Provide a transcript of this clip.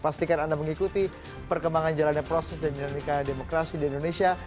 pastikan anda mengikuti perkembangan jalannya proses dan dinamika demokrasi di indonesia